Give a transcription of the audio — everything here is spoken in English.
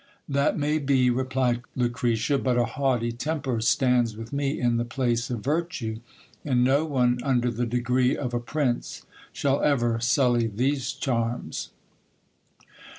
That may be, replied Lucretia : but a haughty temper stands with me in the place of HISTOR Y OF DOX RAPHAEL. 199 virtue, and no one under the degree of a prince shall ever sully these charms.